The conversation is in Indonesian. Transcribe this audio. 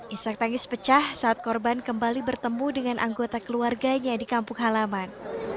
isak tangis pecah saat korban kembali bertemu dengan anggota keluarganya di kampung halaman